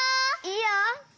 いいよ！